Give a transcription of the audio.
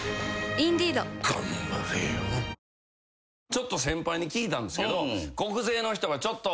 ちょっと先輩に聞いたんですけど。